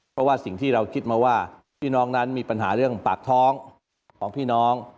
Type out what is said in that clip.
เพราะว่าสิ่งที่เราคิดมาว่าพี่น้องนั้นมีปัญหาเรื่องปากท้องของพี่น้อง